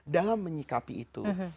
dalam menyikapi itu